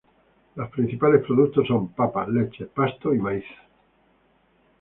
Los principales productos son: papas, leche, pasto, maíz.